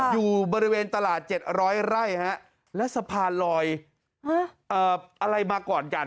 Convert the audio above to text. อยู่บริเวณตลาด๗๐๐ไร่และสะพานลอยอะไรมาก่อนกัน